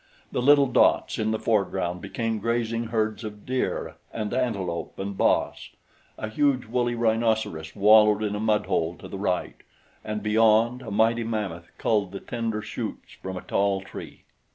The little dots in the foreground became grazing herds of deer and antelope and bos; a huge woolly rhinoceros wallowed in a mudhole to the right, and beyond, a mighty mammoth culled the tender shoots from a tall tree.